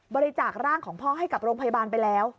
บริจาคร่างของพ่อให้กับโรงพยาบาลไปแล้ว